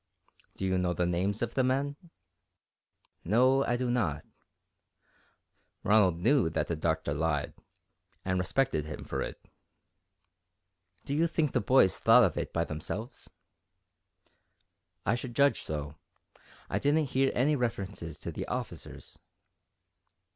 "Do you know the names of the men?" "No, I do not." Ronald knew that the Doctor lied, and respected him for it. "Do you think the boys thought of it by themselves?" "I should judge so I didn't hear any references to the officers."